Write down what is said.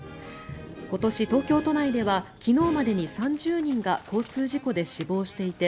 今年、東京都内では昨日までに３０人が交通事故で死亡していて